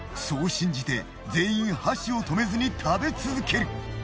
そう信じて全員箸を止めずに食べ続ける。